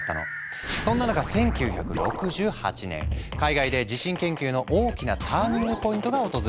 そんな中１９６８年海外で地震研究の大きなターニングポイントが訪れた。